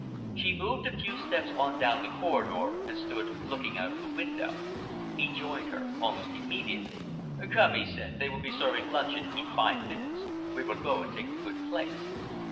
She moved a few steps on down the corridor, and stood looking out of the window. He joined her almost immediately. "Come," he said, "they will be serving luncheon in five minutes. We will go and take a good place."